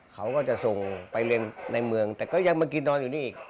เขาก็จะส่งไปเรียนในเมืองแต่ก็ยังมากินนอนอยู่นี่อีก